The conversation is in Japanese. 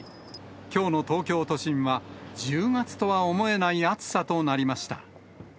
きょうの東京都心は、１０月とは思えない暑さとなりました。